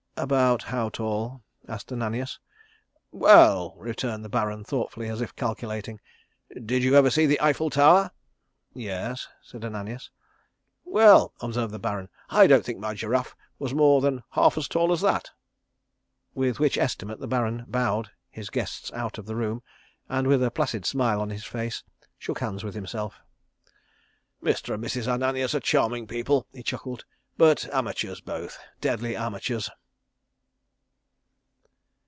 "About how tall?" asked Ananias. "Well," returned the Baron, thoughtfully, as if calculating, "did you ever see the Eiffel Tower?" "Yes," said Ananias. "Well," observed the Baron, "I don't think my giraffe was more than half as tall as that." With which estimate the Baron bowed his guests out of the room, and with a placid smile on his face, shook hands with himself. "Mr. and Mrs. Ananias are charming people," he chuckled, "but amateurs both deadly amateurs."